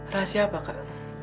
rahasia apa kak